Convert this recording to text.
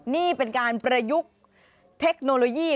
นี่เป็นการประยุกต์เทคโนโลยี